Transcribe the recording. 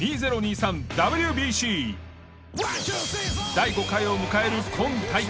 第５回を迎える今大会。